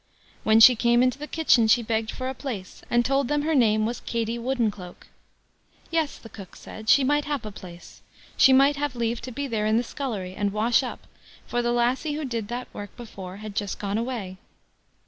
When she came into the kitchen she begged for a place, and told them her name was Katie Woodencloak. Yes, the cook said she might have a place—she might have leave to be there in the scullery, and wash up, for the lassie who did that work before had just gone away.